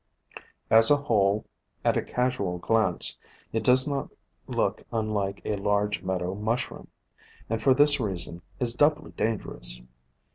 As a whole, at a casual glance, it does not look unlike a large Meadow Mushroom, and for this reason is doubly dangerous.